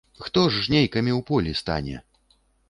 Хто з жнейкамі ў полі стане?